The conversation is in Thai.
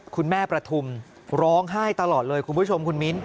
แม่ประทุมร้องไห้ตลอดเลยคุณผู้ชมคุณมิ้น